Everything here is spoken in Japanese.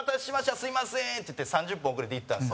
すみません！」って言って３０分遅れて行ったんですよ。